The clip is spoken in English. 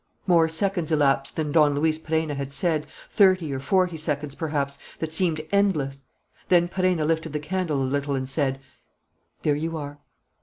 More seconds elapsed than Don Luis Perenna had said, thirty or forty seconds, perhaps, that seemed endless. Then Perenna lifted the candle a little and said: "There you are."